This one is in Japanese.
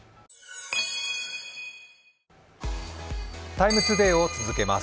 「ＴＩＭＥＴＯＤＡＹ」を続けます。